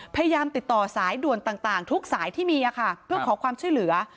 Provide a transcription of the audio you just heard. พยายามติดต่อสายด่วนต่างทุกสายที่มีค่ะเพื่อขอความช่วยเหลือ